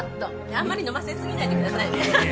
あんまり飲ませ過ぎないでくださいね。